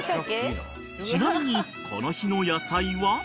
［ちなみにこの日の野菜は］